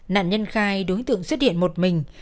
nạn nhân khai đối tượng xuất hiện một mình